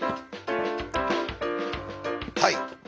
はい。